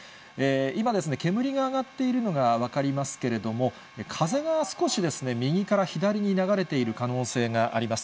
今ですね、煙が上がっているのが分かりますけれども、風が少しですね、右から左に流れている可能性があります。